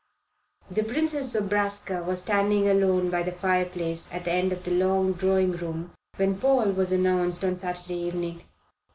The Princess Zobraska was standing alone by the fireplace at the end of the long drawing room when Paul was announced on Saturday evening.